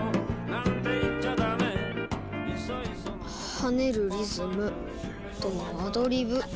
「跳ねるリズムとアドリブ」と。